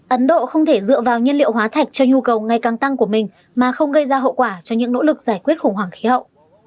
ấn độ không thể dựa vào nhân liệu hóa thạch cho nhu cầu ngày càng tăng của mình mà không gây ra hậu quả cho những nỗ lực giải quyết khủng hoảng khí hậu